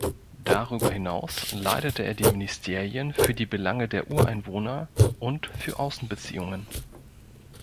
Darüber hinaus leitete er die Ministerien für die Belange der Ureinwohner und für Außenbeziehungen.